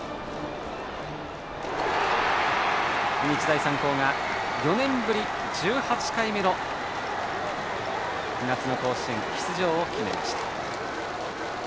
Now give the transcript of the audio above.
日大三高が４年ぶり１８回目の夏の甲子園出場を決めました。